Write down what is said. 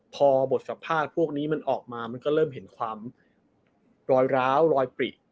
พอบทสัมภาษณ์พวกนี้มันออกมามันก็เริ่มเห็นความรอยร้าวรอยปริ